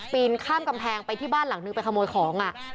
ข้ามกำแพงไปที่บ้านหลังนึงไปขโมยของ